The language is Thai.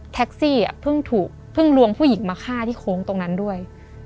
แท็กซี่เพิ่งถูกเพิ่งลวงผู้หญิงมาฆ่าที่โค้งตรงนั้นด้วย